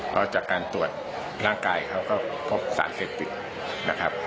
เพราะจากการตรวจร่างกายเขาก็พบสารเสพติดนะครับ